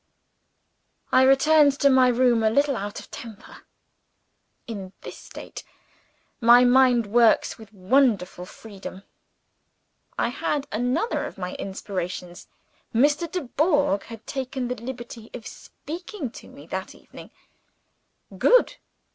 I returned to my room, a little out of temper. In this state my mind works with wonderful freedom. I had another of my inspirations. Mr. Dubourg had taken the liberty of speaking to me that evening. Good.